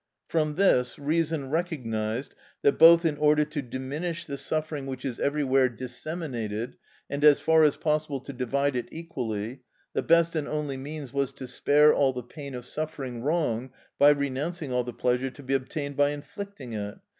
From this reason recognised that both in order to diminish the suffering which is everywhere disseminated, and as far as possible to divide it equally, the best and only means was to spare all the pain of suffering wrong by renouncing all the pleasure to be obtained by inflicting it.